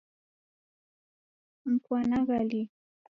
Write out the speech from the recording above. Mpwanagha lii?